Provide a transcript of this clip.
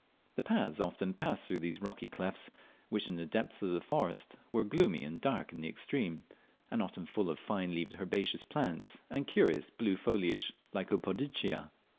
The paths often passed through these rocky clefts, which in the depths of the forest were gloomy and dark in the extreme, and often full of fine leaved herbaceous plants and curious blue foliaged Lycopodiaceae.